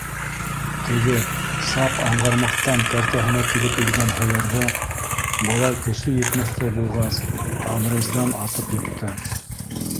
Теге саҡ аңғармаҫтан кәртәһенә килеп ингән һыйырҙы, былай көсө етмәҫтәй булғас, обрездан атып йыҡты.